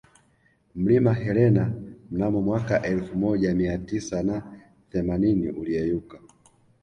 Mlima Helena mnamo mwaka elfu moja miatisa na themanini uliyeyuka